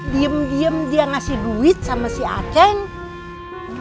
diem diem dia ngasih duit sama si aceh